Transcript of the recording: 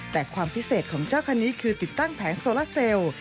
แต่ความพิเศษของเจ้าคันนี้คือติดตั้งแผงโซลาเซลล์